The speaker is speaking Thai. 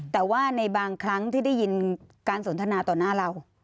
แต่ว่าในบางครั้งที่ได้ยินการสนทนาต่อหน้าเรา